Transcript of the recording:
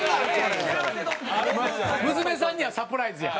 娘さんにはサプライズや。